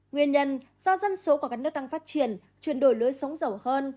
nguyên nhân do dân số của các nước đang phát triển chuyển đổi lối sống giàu hơn